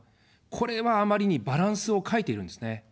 これはあまりにバランスを欠いているんですね。